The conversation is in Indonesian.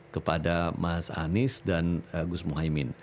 kepada mas anies dan gus muhaymin